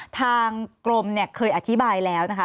ทางกรมเนี่ยเคยอธิบายแล้วนะคะ